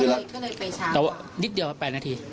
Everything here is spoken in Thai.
ก็เลยไปเช้าแต่ว่านิดเดียวแปดนาที